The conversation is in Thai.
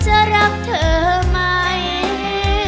รักเธอไหม